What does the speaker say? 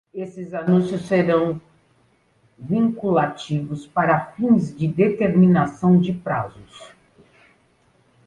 Esses anúncios serão vinculativos para fins de determinação de prazos.